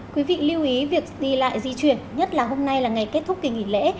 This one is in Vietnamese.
quý vị lưu ý việc đi lại di chuyển nhất là hôm nay là ngày kết thúc kỳ nghỉ lễ